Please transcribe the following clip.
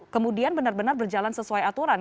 kemudian benar benar berjalan sesuai aturan